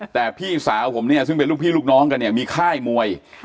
แต่พี่สาวผมเนี่ยซึ่งเป็นลูกพี่ลูกน้องกันเนี่ยมีค่ายมวย